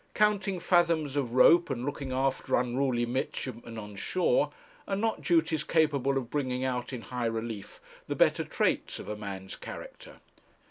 Counting fathoms of rope and looking after unruly midshipmen on shore are not duties capable of bringing out in high relief the better traits of a main's character.